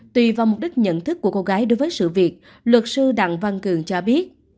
tùy vào mục đích nhận thức của cô gái đối với sự việc luật sư đặng văn cường cho biết